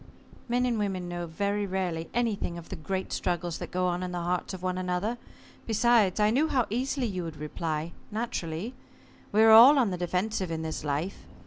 "Men and women know very rarely anything of the great struggles that go on in the hearts of one another. Besides, I knew how easily you would reply naturally. We are all on the defensive in this life.